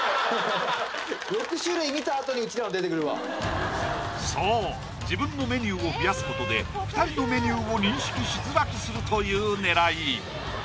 これそう自分のメニューを増やすことで２人のメニューを認識しづらくするという狙い